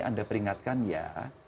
anda peringatkan ya